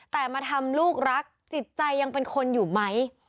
แต่มาทำลูกรักจิตใจยังเป็นคนอยู่ไหม